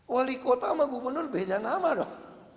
wali kota sama gubernur beda nama dong